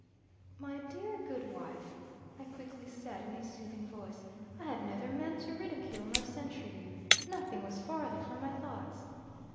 "My dear, good wife," I quickly said, in a soothing voice, "I have neither meant to ridicule nor censure you nothing was farther from my thoughts."